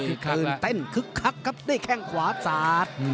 คึกคักแล้วคึกเต้นคึกคักครับได้แข้งขวาสัตว์